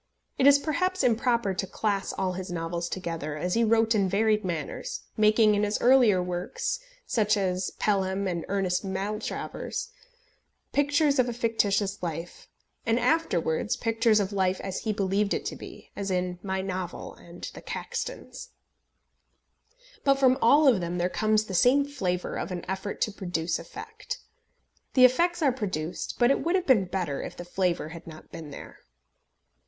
It is perhaps improper to class all his novels together, as he wrote in varied manners, making in his earlier works, such as Pelham and Ernest Maltravers, pictures of a fictitious life, and afterwards pictures of life as he believed it to be, as in My Novel and The Caxtons. But from all of them there comes the same flavour of an effort to produce effect. The effects are produced, but it would have been better if the flavour had not been there.